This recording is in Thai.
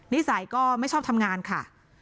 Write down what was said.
นิสัยก็ไม่ชอบทำงานค่ะ